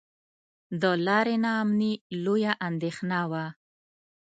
د لارې نا امني لویه اندېښنه وه.